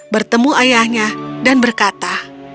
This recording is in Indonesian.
bertemu ayahnya dan berkata